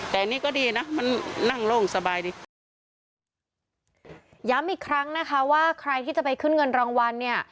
แต่นี่ก็ดีนะมันนั่งโล่งสบายดีย้ำอีกครั้งนะคะว่าใครที่จะไปขึ้นเงินรางวัลเนี่ย